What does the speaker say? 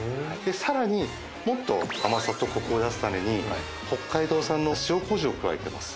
さらにもっと甘さとコクを出すために北海道産の塩こうじを加えています。